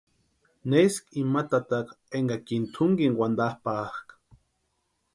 Neski ima tataka énkakini tʼunkini wantapʼakʼa.